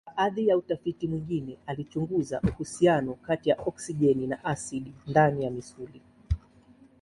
Baadhi ya utafiti mwingine alichunguza uhusiano kati ya oksijeni na asidi ndani ya misuli.